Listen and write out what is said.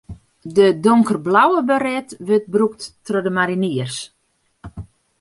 De donkerblauwe baret wurdt brûkt troch de mariniers.